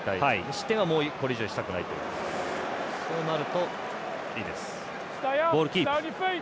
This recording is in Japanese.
失点はこれ以上したくないとそうなるといいです。